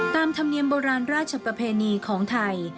ธรรมเนียมโบราณราชประเพณีของไทย